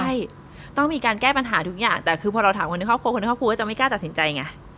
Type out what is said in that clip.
ใช่ต้องมีการแก้ปัญหาทุกอย่างแต่คือพอเราถามคนในครอบครัวคนในครอบครัวก็จะไม่กล้าตัดสินใจไง